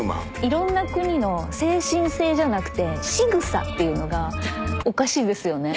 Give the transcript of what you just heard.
色んな国の精神性じゃなくてしぐさっていうのがおかしいですよね。